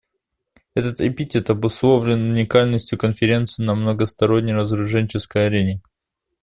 Этот эпитет обусловлен уникальностью Конференции на многосторонней разоруженческой арене.